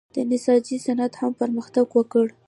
د نساجۍ صنعت هم پرمختګ وکړ.